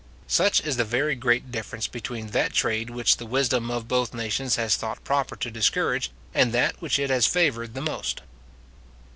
Such is the very great difference between that trade which the wisdom of both nations has thought proper to discourage, and that which it has favoured the most.